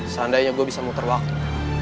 seandainya gue bisa muter waktu